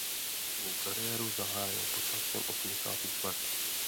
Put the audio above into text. Svou kariéru zahájil počátkem osmdesátých let.